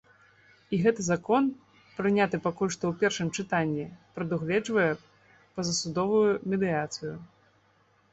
І гэты закон, прыняты пакуль што ў першым чытанні, прадугледжвае пазасудовую медыяцыю.